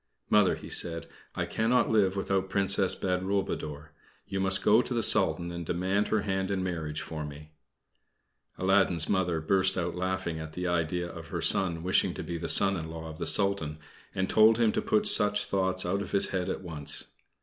"Mother," he said, "I cannot live without the Princess Badroulboudour. You must go to the Sultan and demand her hand in marriage for me." Aladdin's Mother burst out laughing at the idea of her son wishing to be the son in law of the Sultan, and told him to put such thoughts out of his head at once.